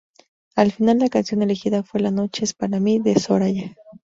Al final la canción elegida fue "La noche es para mí" de Soraya.